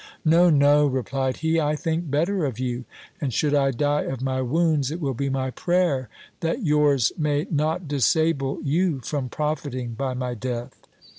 No, no, replied he ; I think better of you ; and should I die of my wounds, it will be my prayer that yours may not disable you from profiting by my death.